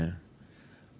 pemberian sholat idul fitri